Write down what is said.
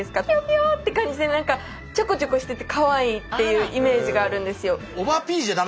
ピヨピヨって感じで何かちょこちょこしててかわいいっていうイメージがあるんですよ。